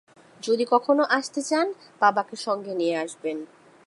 যদি কখনো আসতে চান, বাবাকে সঙ্গে নিয়ে আসবেন।